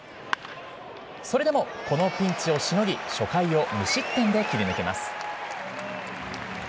それでも、このピンチをしのぎ初回を無失点で切り抜けます。